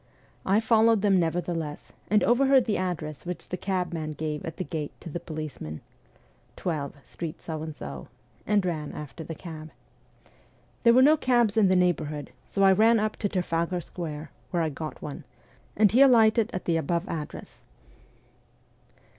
I followed them nevertheless, and overheard the address which the cabman gave at the gate to the police man 12, street So and so and ran after the cab. There were no cabs in the neighbourhood ; so I ran up WESTERN EUROPE 291 to Trafalgar Square, where I got one. I then drove after him, and he alighted at the above address.'